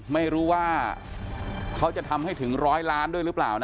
ไม่รู้ว่าเขาจะทำให้ถึงร้อยล้านด้วยหรือเปล่านะ